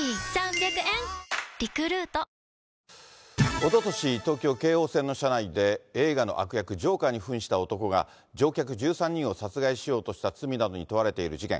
おととし、東京・京王線の車内で、映画の悪役、ジョーカーにふんした男が、乗客１３人を殺害しようとした罪などに問われている事件。